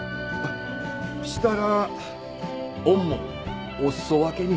したらおんもお裾分けに。